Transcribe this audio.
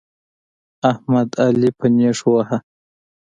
احمد؛ علي په نېښ وواهه.